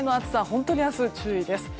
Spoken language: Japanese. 本当に明日注意です。